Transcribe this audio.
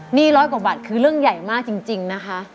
ร้อยกว่าบาทคือเรื่องใหญ่มากจริงนะคะ